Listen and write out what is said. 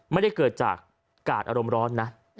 ไม่ได้เกิดจากกาดอารมณ์ร้อนนะ